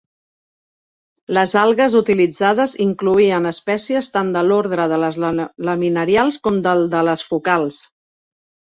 Les algues utilitzades incloïen espècies tant de l'ordre de les laminarials com del de les fucals.